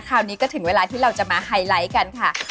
คราวนี้ก็ถึงเวลาที่เราจะมาไฮไลท์กันค่ะ